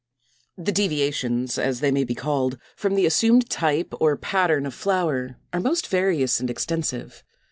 248. =The Deviations=, as they may be called, from the assumed type or pattern of flower are most various and extensive.